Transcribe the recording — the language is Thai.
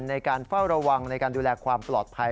ในการเฝ้าระวังในการดูแลความปลอดภัย